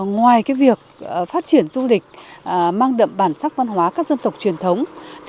ngoài việc phát triển du lịch mang đậm bản sắc văn hóa các dân tộc truyền thống